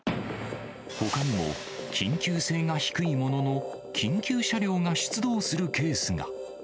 ほかにも、緊急性が低いものの、緊急車両が出動するケースが。